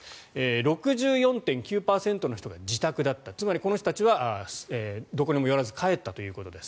６４．９％の人が自宅だったつまりこの人たちはどこにも寄らず帰ったということです。